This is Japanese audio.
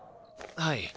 はい。